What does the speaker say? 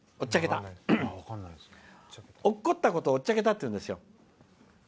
おっこったことをおっちゃけたって言うんですよ。